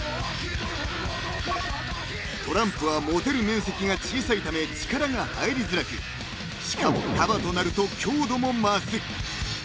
［トランプは持てる面積が小さいため力が入りづらくしかも束となると強度も増す］